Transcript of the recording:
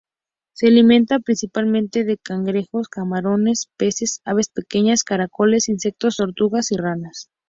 Se alimenta principalmente de cangrejos, camarones, peces, aves pequeñas, caracoles, insectos, tortugas y ranas.